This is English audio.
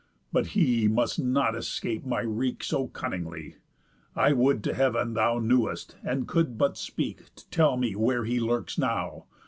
But he Must not escape my wreak so cunningly. I would to heav'n thou knew'st, and could but speak, To tell me where he lurks now!